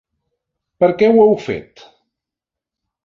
Per què ho heu fet?